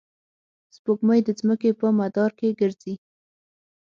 سپوږمۍ د ځمکې په مدار کې ګرځي.